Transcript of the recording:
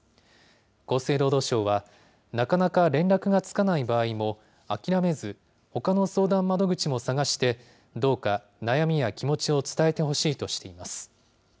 厚生労働省は、なかなか連絡がつかない場合も諦めず、ほかの相談窓口も探して、どうか悩みや気持ちを伝えてほしいとしています。